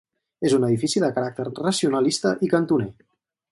És un edifici de caràcter racionalista i cantoner.